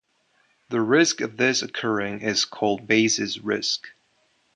The risk of this occurring is called basis risk.